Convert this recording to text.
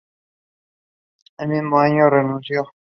El mismo año renunció.